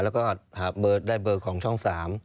และก็เรียกได้เบอร์ของช่อง๓